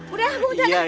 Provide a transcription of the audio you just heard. udah lah gue udah